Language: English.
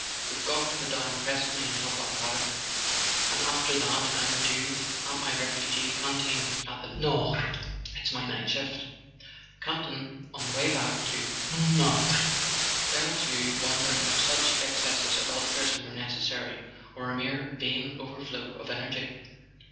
We've got to go down presently and help unpack; and after that I'm due at my refugee canteen at the Nord. It's my night shift." Campton, on the way back to Montmartre, fell to wondering if such excesses of altruism were necessary, or a mere vain overflow of energy.